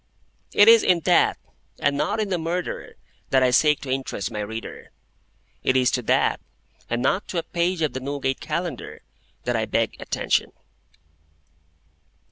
It is in that, and not in the Murderer, that I seek to interest my reader. It is to that, and not to a page of the Newgate Calendar, that I beg attention.